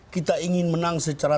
kita ingin menang secara